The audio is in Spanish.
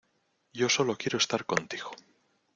yo solo quiero estar contigo.